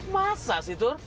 masa sih tur